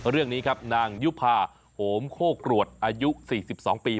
เรื่องนี้ครับนางยุภาโหมโคกรวดอายุ๔๒ปี